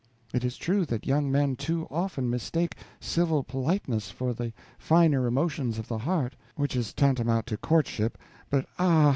It is true that young men too often mistake civil politeness for the finer emotions of the heart, which is tantamount to courtship; but, ah!